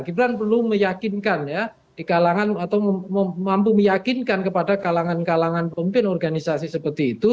gibran perlu meyakinkan ya di kalangan atau mampu meyakinkan kepada kalangan kalangan pemimpin organisasi seperti itu